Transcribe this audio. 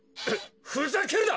ふざけるな！